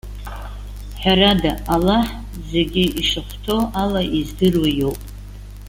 Ҳәарада, Аллаҳ зегьы ишахәҭоу ала издыруа иоуп.